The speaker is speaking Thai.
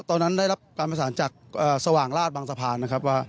ตอนนั้นได้รับการประสานจากสว่างราชบางสะพานนะครับว่า